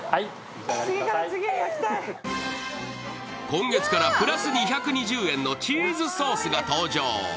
今月からプラス２２０円のチーズソースが登場。